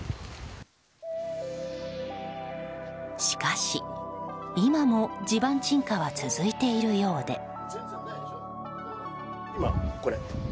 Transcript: しかし、今も地盤沈下は続いているようで。